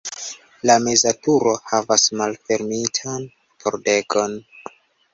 La meza turo havas malfermitan pordegon.